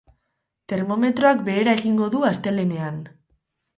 Termometroak behera egingo du astelehenean.